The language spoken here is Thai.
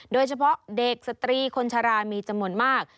โดยเฉพาะเด็กสตรีคนชะลามีจำนวนมาก